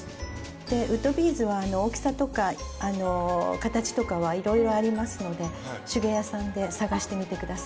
でウッドビーズは大きさとか形とかはいろいろありますので手芸屋さんで探してみてください。